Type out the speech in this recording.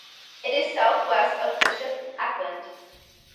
It is south-west of Bishop Auckland.